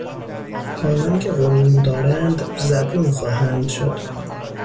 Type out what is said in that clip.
آنان که غرور دارند زبون خواهند شد.